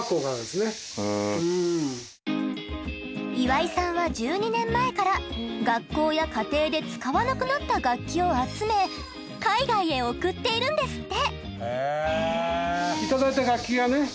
岩井さんは１２年前から学校や家庭で使わなくなった楽器を集め海外へ送っているんですって！